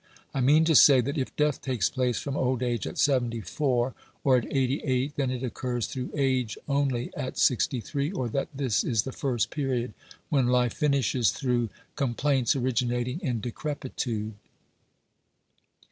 I mean to say that if death takes place from old age at seventy four or at eighty eight, then it occurs through age only at sixty three, or that this is the first period when life finishes through com plaints originating in decrepitude.